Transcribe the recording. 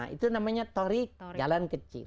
itu namanya torik jalan kecil